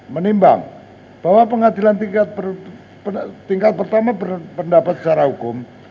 menimbang bahwa pengadilan tingkat pertama berpendapat secara hukum